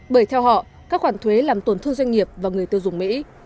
bởi theo họ các khoản thuế làm tổn thương doanh nghiệp và người tiêu dùng mỹ